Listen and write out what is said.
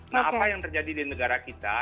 nah apa yang terjadi di negara kita